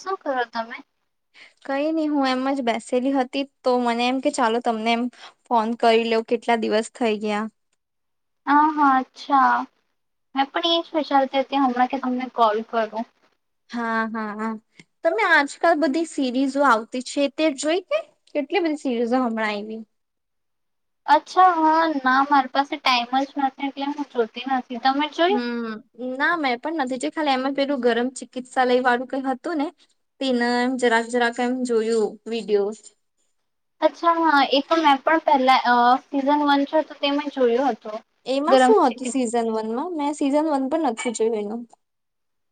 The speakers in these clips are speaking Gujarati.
શું કરો તમે [unintelligible] કઈ નહી હું એમ જ બેસેલી હતી તો મને એમ કે ચાલો તમને એમ ફોન કરી લ કેટલા દિવસ થઈ ગયા હા હા અચ્છા હ પણ એ શચાલતી હતીરા કે તમને કોલ કરું હા હાા તમે આજકાલ બધી સિરીઝો આવતી છે તે જોઈ કે કેટલી બધી સીરીઝો હમણાં આવી અચ્છા હા, ના મારી પાસે ટાઈમ જ નથી એટલે હું જોતી નથી. તમે જોઈ હમ ના મેં પણ નથી જો ખાલી એમે પેલું ગરમ ચિકિત્સાાલય વાળું કઈ હતું ને, તેને એમ જરાક જરાક એમ જોયું. વિડીયો અચ્છા હં એ તો મેં પણ પહેલા સીઝન વન છે, તો તે મેં જોયું હતું. એમાં ગરમ શું ચિકન હતું સીઝન વનમાં? મેં સીઝન વન પણ નથી જોયું એનું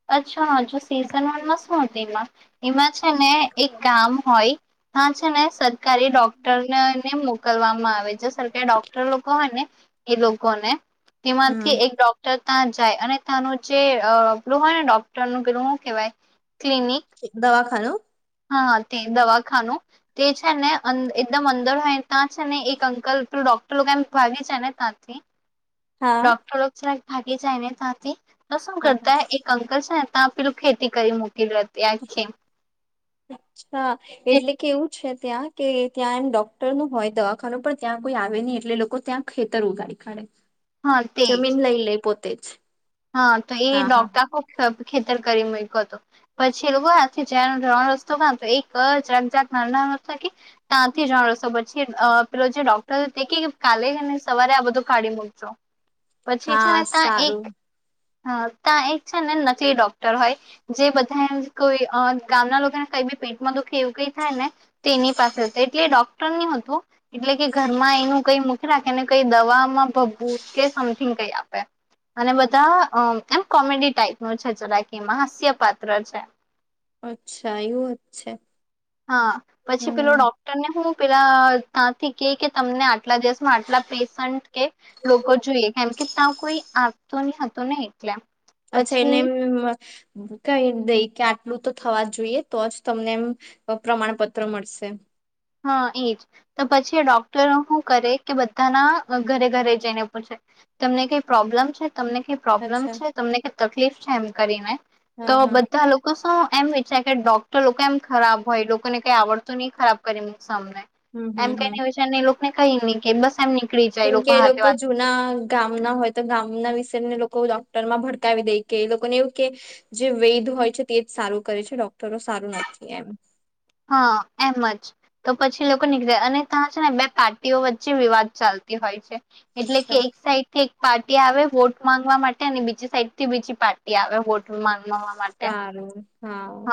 અચ્છા, જો સીઝન વનમાં શું હતું? એમાં એમાં છે ને એક ગામ હોય. હા છે ને! સરકારી ડોક્ટરને મોકલવામાં આવે છે. સરકારી ડોક્ટર લોકો હોને એ લોકોને હમ્મ તેમાંથી એક ડોક્ટર ત્યાં જાય. અને ત્યાંનું જે પેલું હો ને, ડોક્ટર નું પેલું હું કેવાય? [unintelligible] દવાખાનું હા, તે દવાખાનું તે છે ને એકદમ અંદર હોય, ત્યાં છે ને એક અંકલ ડોક્ટર લોકો ભાગી છે ને ત્યાંથી હા. ડોક્ટરો લોક ભાગી જાય ને તાથી તો શું? હા હા. કરતા એક અંકલ છે ને ત પેલું ખેતી કરી મૂકી લે હતી આથી. અચ્છા એટલે કેવું છે? ત્યાં કે ત્યાં એમ ડોક્ટર નું હોય દવાખાનું, પણ ત્યાં કોઈ આવે નહી એટલે લોકો ત્યાં ખેતર ઉગાડી કાઢે. હા તેજ જમીન લઈ લે પોતે જ. હા, તો એ હા હા ડોક્ટર ખેતર કરી મુકયો હતો. પછી એ લોકો હા [inaudible] ત્રણ રસ્તો ક તો એક જકજક ના કે ત્યાંથી ર્રણ રસ્તો બચી અ પેલો જે ડોક્ટર તે કે, કાલેને સવારે આ બધું કાઢી મૂકજો પછી છે હા ને ત્યા એક સારું હ ત્યાં એક છે ને, નકલી ડોક્ટર હોય, જે બધા કોઈ ગામના લોકોને પેટમાં દુઃખ એવું કઈ થાય ને તો, તેની પાસે એટલે એ ડોક્ટર ની હતું એટલે કે ઘરમાં એનું કઈ મુખી રાખે ને કઈ દવામાં ભ ભૂ કે સમથિંગ કઈ આપે અને બધા મ એમ કોમેડી ટાઈપ નું છે. જરાકી એમાં હાસ્ય પાત્ર છે. અચ્છા એવું જ છે. હા, પછી પેલો હમ ડોક્ટર ને હું પેલા ત્યાંથી કે, કે તમને આટલા દિવસમાં આટલા પેશન્ટ કે લોકો જોઈએ કેમ કે, ત્યાં કોઈ તો ની હતો ને એકલે અચ્છા એને એમ કઈ દઈ કે, આટલું તો થવા જોઈએ તો જ તમને એમ પ્રમાણપત્ર મળશે. હા, એજ તો પછી ડોક્ટરો શું કરે કે? બધાના ઘરે ઘરે જઈને પૂછે? તમને કઈ પ્રોબ્લમ છે? તમને કઈ પ્રોબ્લમ અચ્છા છે? તમને કઈ તકલીફ છે? એમ કરીને તો હા હા બધા લોકો શું? એમ વિચારે કે ડોક્ટર લોકો એમ ખરાબ હોય લોકોને કઈ આવડતું નહી. ખરાબ કરીેને હમ હમ એમ કે હમ વિ એ લોકોને કહી નહી કે બસ એમ, નીકળી જાય કેમ કે એ હાથે લોકો વાત જૂના ગામ ના હોય તો, ગામના વિશેને લોકો લોકો ડોક્ટર માં ભડકાવી દે કે એ લોકો ને એવું કે જે વેધ હોય છે, તે જ સારું કરે છે ડોક્ટરો સારે સારું નથી એમ. હા, એમ જ તો પછી લોકો નીકળ્યા અને ત્યાં છે ને બે પાર્ટીઓ વચ્ચે વિવાદ ચાલતો હોય છે. એટલે કે અચ્છા એક સાઈડથી એક પાર્ટી આવે, વોટ માંગવા માટે અને બીજી સાઈડ થી બીજી પાર્ટી આવે, વોટ માંગવા માટે. સારું હા,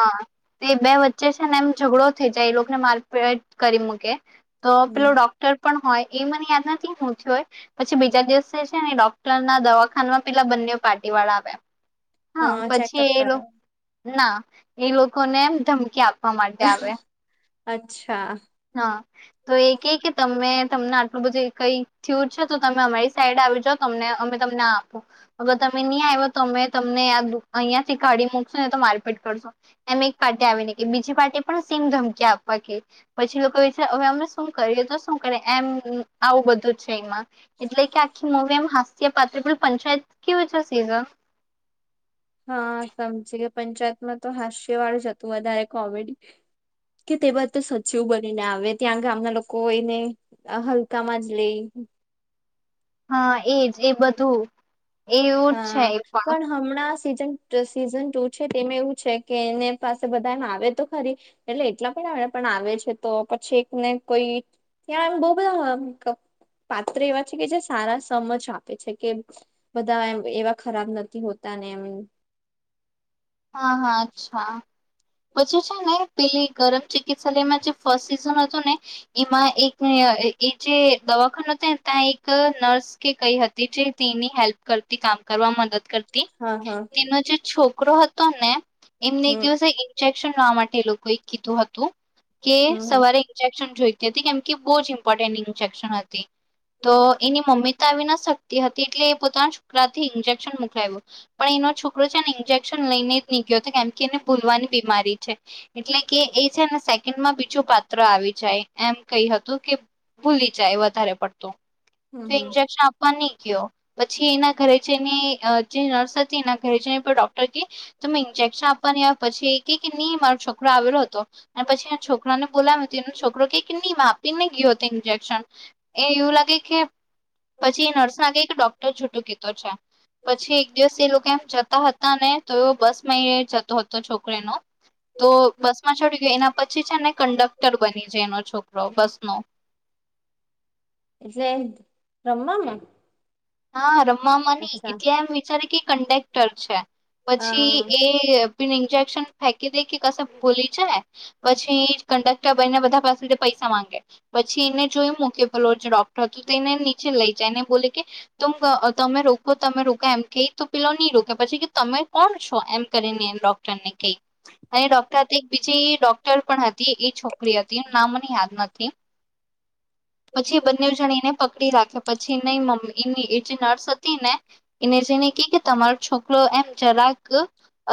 તે બે વચ્ચે છે ને, એમ ઝઘડો થઈ જાય એ લોકોને મારપેટ કરી મૂકે તો પેલો હમ ડોક્ટર પણ હોય એ મને યાદ નથી શુ થયું હોય, પછી બીજા દિવસે છે ને ડોક્ટર ના દવાખામાં પેલા બંને પાર્ટી વાળા આવ્યા. હા ચેકઅપ કર ના એ લોકોને એમ ધમકી આપવા માટે આવે અચ્છા હા તો એ કે કે તમે તમને બધી કઈ થયુર છે તો તમે અમારી સાઈડ આવી જાાવ તમને અમે તમને આપો હ તમે નહી તમે તમને આ અહિયાં થી કાઢી મુકશો ને તો મારપીટ કરશો એમ એક પ્ટી આવી ને કે બીજી પ્ટી પણ સેમ ધમકી આપવા કે પછી લોકો વિચાર હવે અમે શું કરીએ તો શું કરી એમ આવું બધું છે એમાં એટલે કે આખી મવી એમ હાસ્ય પાત્રલ પંચાયત કેવીું છે સિઝન હા સમજી કે પંચાયતમાં તો હાસ્યવાળું જ હતું વધારે કોમેડી કે તે બા તો સચિવ બનીને આવે ત્યાં ગામના લોકો હોયને હલકામાં જ લઈ હમ હા એજ એ બધું એવું જ છે હા એ પણ હમણાં સ સીઝન ટુ છે તેમાં એવું છે કે એને પાસે બધા એમ આવે તો ખરી એટલે એટલા પણ પણ આવે છે તો પછી એક ને કોઈ ત્યાં બહ બધા મેઅપ પાત્ર એવા છે કે જે સારા સમજ આપે છે કે બધા એમ એવા ખરાબ નથી હોતા ને એમ હા હા અચ્છા પછી છે ને પેલી ગરમ ચિકિત્સાાલયમાં જે ફર્સ્ટ સિઝન હતું ને એમાં એક હ એ જે દવાખનો હતાને ત્યાં એક નર્સ કે કઈ હતી જે તેની હેલ્પ કરતી કામ કરવા મદદ કર તી હા હા તેનો જે છોકરો હતો ને એમને એક હમ દિવસે શનવા માટે એ લોકોએ કીધું હતું કે હમ સવારે ઇન્જેક્શન જોઈ જેથી કેમ કે બહુ જ ઇમ્પોર્ટન્ટ ઇન્જેક્શન હતી તો એની મમ્મી તો આવીને સકતી હતી એટલે એ પોતાના છોકરાથી ઈન્જેક્શન મોકલાવયું પણ એનો છોકરો છે ને ઈન્જેક્શ શન લેને જ ની ગયો તો કેમ કે એને ભૂલવાની બીમારી છે એટલે કે એ છે ને સેકન્ડમાં બી છુ પાત્ર આવી જાય એમ કઈ હતું કે ભૂલી જાય વધારે પડતું તો હમ હમ ઇન્જેક્શન આપવા ની ગ્યો પછી એના ઘરે જઈને અ જે નર્સ હતી એના ઘરે જઈને પણ ડોક પછી તમે ઇન્જેક્શન આપવા ની આયવા પછી કે કે ની મારો છોકરો આવેલો હતો. અને પછી એના છોકરાને બોલાવીયો તેનો છોકરો કેય કે ની મા આપી ને ગયો હતો ઇન્જેક્શન એ એવું લાગે કે પછી નર્સ નાગે કે ડોક્ટર જુટું કેતો છે. પછી એક દિવસ એ લોકો એમ જતા હતા ને તો એ બસમાં એ જતો હતો. છોકરો એનો તો બસમાં ચડી ગયો એના પછી છેને કંડક્ટર બની જાય એનો છોક રો બસનો એટલે રમામાં હા રમ મામાની એટલે એમ વિચારે કે કન્ડેક્ટર છે પછી હા એ પેલુ ઈનજે શન ફેકી દે કે કશે ભૂલી જાય પછી કંડક ટર બનયા બધા પાસેથી પૈસા માંગે પછી એને જો એમ મૂકે પેલો જે ડોક્ટર હતું તો એને નીચે લઈ જા તેને બોલે કે તુમ અ તમે રોકો તમે રોકો એમથી તો પેલો ની રોકે પછી કે તમે કોણ છો એમ કરીને એમ ડોક્ટરને કેય અને ડોક્ટર હતી એક બીજી ડોક્ટર પણ હતી એ છોકરી હતી એનું નામ મને યાદ ન થી પછી એ બંનેવ જણ એને પકડી રાખે પછી ને મમ્મીની એ જે નર્સ હતી ને એને જેઈને કે કે તમારો છોકરો એમ જરાક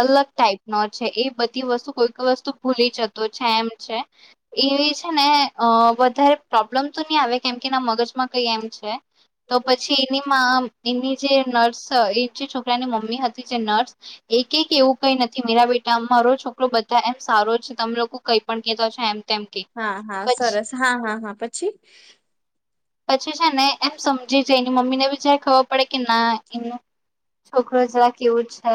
અલગ ટાઈપનો છે એ બધી વસ્તુ કોઈ કોઈ વસ્તુ ભૂલી જતો છે એમ છે. એવી છેને અ વધારે પ્રોબ્લેમ તો ની આવે કેમ કે એના મગજમાં કઈ એમ છે. તો પછી એની મા એની જે નર્સ એ જે છોકરાની મમ્મી હતી જે નર્સ એ કેહ કે એવું કઈ નથી મેરા બેટા અમારો છોકરો બધા એમ સારો છે તમે લોકો કઈ પણ કેતા છો. એમ તેમ કે હા હા પછી સરસ હા હા હા પછી. પછી છે ને એમ સમજી જયની મમ્મી ને બી જયારે ખબર પડે કે ના એનું છોકરો જરા એવો છે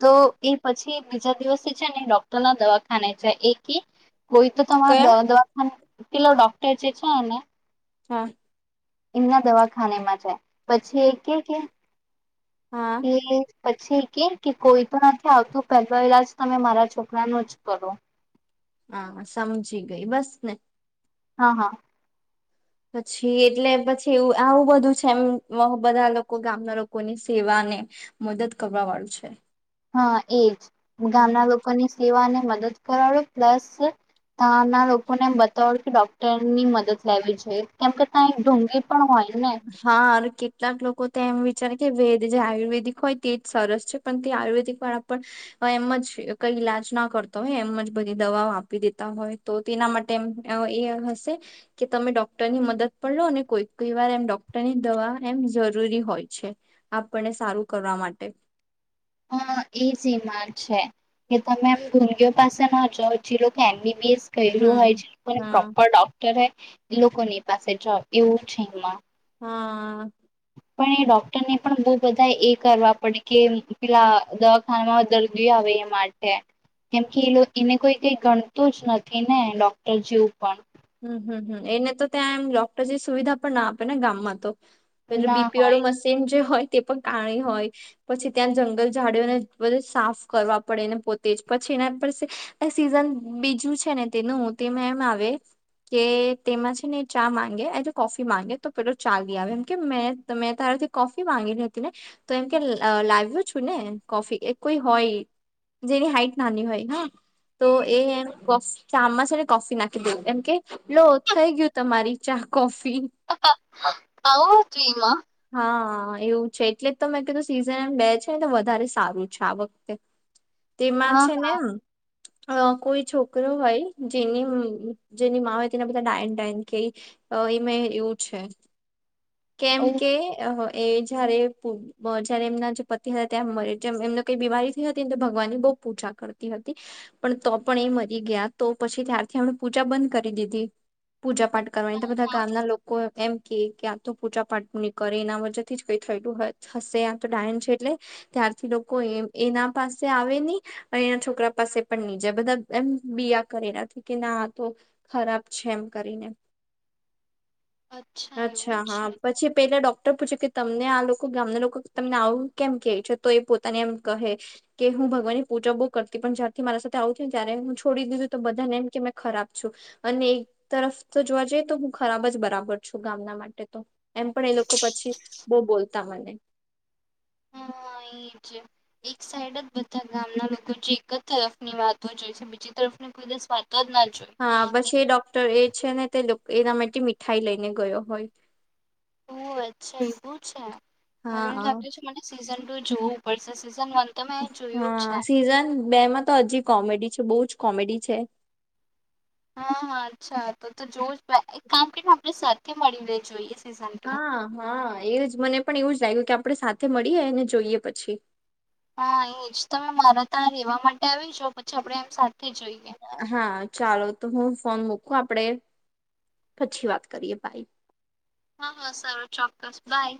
તો એ પછી બીજા દિવસે છે ને ડોક્ટરના દવાખાને જાય એ કે કોઈ તો કયા તમારા દ દવાખાને પેલો ડોક્ટર જે છેે ને હા. એમના દવાખાનેમાં જાય પછી એ કેય કે હા એ પછી કેય કે કોઈ તો નથી આવતું પેલા જ તમે મારા છોકરાનુ જ કરુ. હા સમજી ગઈ બસને. હા હા. પછી એટલે પછી એવુ આવું બધું છે એમ મ બધા લોકો ગામના લોકોની સેવા ને મદદ કરવા વાળું છે. હા એજ ગામના લોકોની સેવાને મદદ કરવાવાડો પ્લસ ત્યાના લોકોને એમ બતાવાડુ કે ડોક્ટરની મદદ લેવી જોઈએ કેમ કે ત્યા એક ઢોંગી હા અને કેટલાક લોકો તો એમ વિ જાણે કે વેદ જે આયુર્વેદિક હોય તે જ સરસ છે પણ તે આયુર્વેદિક વાળા પણ એમજ કઈ ઈલાજ ના કરતો હોય એમ જ બધી દવાઓ આપી દેતા હોય તો તેના માટે એમ એ હશે. કે તમે ડોક્ટરની મદદ પણ લો અને કોઈ કોઈ વાર એમ ડોક્ટરની દવા એમ જરૂરી હોય છે. આપને સારું કરવા માટે. હહ એ સેમ માર છે કે તમે આમ [inaudible] પાસે ના જાવ જે લોકો એમ બી બી એસ કર્યું હમ હોય જે પણ હા પ્રોપર ડોક્ટર હે ઈ લોકોની પાસે જાઓ એવું છે એમાં હા. પણ એ ડોક્ટરને પણ બહુ બધા એ કરવા પડે કે પેલા દવાખાનામાં દર્દીઓ આવે એ માટે. કેમ કે એ લો એને કોઈ કઈ ગણતું જ નથી ને ડોક્ટર જેવું પણ. હમ્મ હમ્મ હમ્મ એને તો ત્યાં એમ ડૉક્ટર જેવી સુવિધા પણ ના આપે ને ગામમાં તો. પેલું ના બીપી હોય. વાળું મશીન જે હોય તે પણ કાણી હોય પછી ત્યાં જંગલ ઝાડીઓને બધું સાફ કરવા પડેને પોતે જ પછી એના પર સે આ સીઝન બીજું છે ને તેનું તેમાં એમ આવે કે તેમાં છે ને ચા માંગે એટલે કોફી માંગે તો પેલો ચા લી આવે એમ કે મેત મેતા તારાથી કોફી માંગેલી હતી ને તો એમ કે અ લાવ્યો છું ને કોફી એ કોઈ હોય જેની હાઈટ નાની હોય હા. તો એ એમ કોફી ચા માં છે ને કોફી નાખી દઉં એમ કે લો થઈ ગયું તમારી ચા, કોફી. આવો ટ્રીમાં હા એવું છે એટલે જ તો મેં કીધું સિઝન એમ બે છે તો વધારે સારું છે આ વખતે. તેમાં હા. છે ને અ કોઈ છોકરો હોય જેની જેની માં હોય તેના બધા ડાયન ડાયન કેય અ એમાં એવું છે. કેમ ઓ. કે એ જયારે જયારે એમના જે પતિ હતા એમ મરી જેમ એમને કઈ બીમારી થઈ હતી ને તો ભગ ભગવાનની બહુ પૂજા કરતી હતી. પણ તો પણ એ મરી ગયા તો પછી ત્યારથી આપણે પૂજા બંધ કરી દીધી. પૂજા પાઠ કરવાની તો બધા ગામના લોકો એમ કે કે આ તો પૂજા પાઠ ની કરે એના વજેથી જ કઈ થયેલું હહ થશે આ તો ડાયન છે એટલે ત્યારથી લોકો એમ એના પાસે આવે ની અને એના છોકરા પાસે પણ ની જાય બધા એમ બીયા કરેલા કે કે ના આતો ખરાબ છે એમ કરીને અચ્છા એવું હા છે પછી તે ડોક્ટર પૂછે કે તમને આ લોકો ગામના લોકો તમને આવું કેમ કે છે તો એ પોતાને એમ કહે કે હું ભગવાનની પૂજા બહુ કરતી પણ જયારથી મારા સાથે આવું થયું ને ત્યારે હું છોડી દીધું તો બધાને એમ કે મેં ખરાબ છું. અને એક તરફ તો જોવા જઈએ તો હું ખરાબ જ બરાબર છું. ગામના માટે તો એમ પણ એ લોકો પછી બહુ બોલતા હોય ને હા એજ એક સાઈડ જ બધા ગામના લોકો જે એક જ તરફની વાતો જોઈ બીજી તરફને કોઈ [inaudible] જોઈ. હા પછી ડોક્ટર એ છે ને તે એના માટે મીઠાઈ લઈને ગયો હોય ઓહ! અચ્છા એવું છે મને હા લાગે છે મને સીઝન ટુ જોવું પડશે સીઝ હા સીઝન બે માં તો હજી કોમેડી છે બહુ જ કોમેડી છે હા હા અચ્છા તો તો જોવુ જ એક કામ કરીને આપણે સાથે મળીને જોઈએ સીઝન ટુ. હા હા એજ મને પણ એવું જ લાગ્યું કે આપણે સાથે મળીએ અને જોઈએ પછી હા એજ તમે મારા ત્યાં રેવા માટે આવી જાઓ પછી આપણેે એમ સાથે જોઈએ હા ચાલો તો હું ફોન મુકું આપડે પછી વાત કરીએ બાઈ હા હા સારું ચોક્કસ બાય